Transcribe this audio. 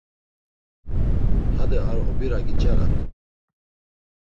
Hade ar obira giç̆arat.